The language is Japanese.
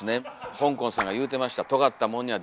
ほんこんさんが言うてました。